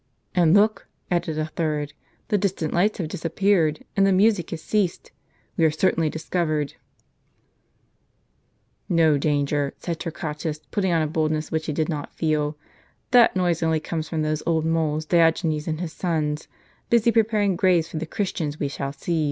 "And, look!" added a third; "the distant lights have disappeared, and the music has ceased. We are certainly discovered." " No danger," said Torquatus, putting on a boldness which he did not feel. " That noise only comes from those old moles, Diogenes and his sons, busy preparing graves for the Christians we shall seize."